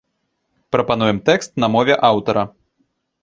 Прапануем тэкст на мове аўтара.